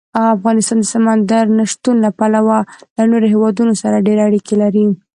افغانستان د سمندر نه شتون له پلوه له نورو هېوادونو سره ډېرې اړیکې لري.